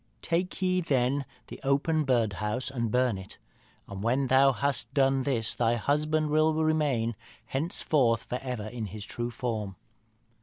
Take ye, then, the open birdhouse and burn it. And when thou hast done this thy husband will remain henceforth and for ever in his true form.'